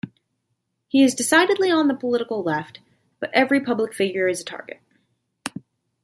He is decidedly on the political left, but every public figure is a target.